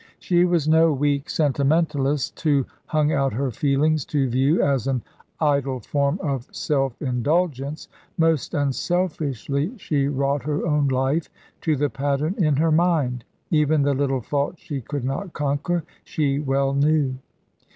She was no weak sentimentalist, who hung out her feelings to view as an idle form of self indulgence. Most unselfishly she wrought her own life to the pattern in her mind; even the little faults she could not conquer, she well knew.